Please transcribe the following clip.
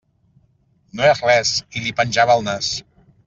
No és res, i li penjava el nas.